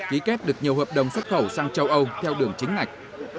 ký kết được nhiều hợp đồng xuất khẩu sang châu âu theo đường chính ngạch